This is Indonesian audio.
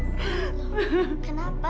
sama sita jangan percaya